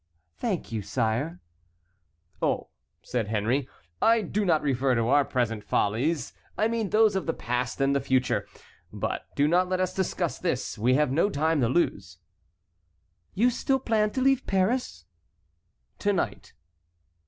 "Thank you, sire." "Oh," said Henry, "I do not refer to our present follies. I mean those of the past and the future. But do not let us discuss this; we have no time to lose." "You still plan to leave Paris?" "To night."